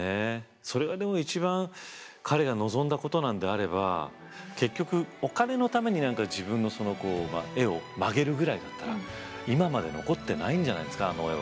それはでも一番彼が望んだことなのであれば結局お金のために何か自分の絵を曲げるぐらいだったら今まで残ってないんじゃないんですかあの絵は。